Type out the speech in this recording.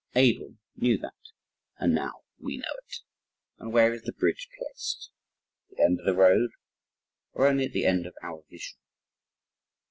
Abel knew that. And now we know it. But where is the bridge placed? at the end of the road or only at the end of our vision?